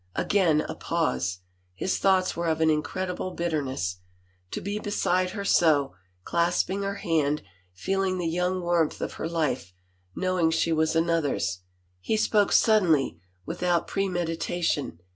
Again a pause. His thoughts were of an incredible bitterness. To be beside her so, clasping her hand, feel ing the young warmth of her life, knowing she was another's. ... He spoke suddenly, without premedita tion.